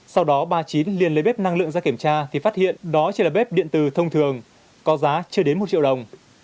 sau đó bà chín liền lấy bếp năng lượng ra kiểm tra thì phát hiện đó chỉ là bếp điện tử thông thường có giá chưa đến một triệu đồng